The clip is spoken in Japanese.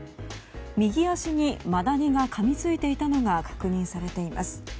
右足にマダニがかみついていたのが確認されています。